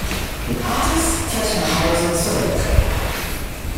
Artus kehrt nach Hause zurück.